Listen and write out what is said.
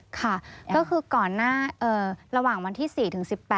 ค่ะก็คือก่อนหน้าระหว่างวันที่๔ถึง๑๘